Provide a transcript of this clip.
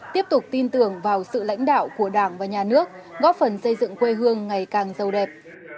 tiếp tục tin tưởng vào sự lãnh đạo của đảng và nhà nước góp phần xây dựng quê hương ngày càng giàu đẹp